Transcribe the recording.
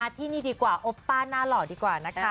ที่นี่ดีกว่าโอปป้าหน้าหล่อดีกว่านะคะ